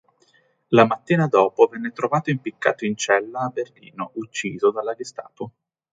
La mattina dopo, venne trovato impiccato in cella a Berlino, ucciso dalla Gestapo.